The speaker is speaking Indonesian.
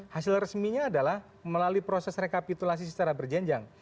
hasil resminya adalah melalui proses rekapitulasi secara berjenjang